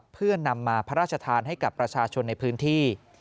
เพื่อนำมาพระราชทานให้กับประชาชนในพื้นที่